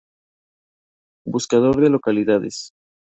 Buscador de Localidades.